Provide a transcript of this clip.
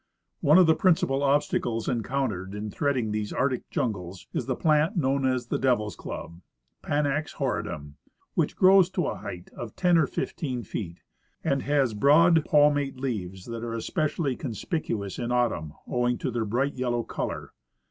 One of the 23rincipal obstacles encountered in threading these Arctic jungles is the plant known as the " Devil's club " {Panax horridum), which grows to a height of ten or fifteen feet, and has broad, palmate leaves that are especially conspicuous in autumn, owing to their bright yellow color.